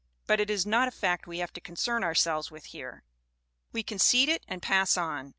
But it is not a fact we have to concern ourselves with here. We concede it and pass on.